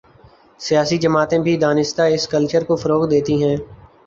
سیاسی جماعتیں بھی دانستہ اس کلچرکو فروغ دیتی ہیں۔